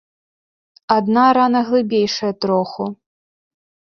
Адна рана глыбейшая троху.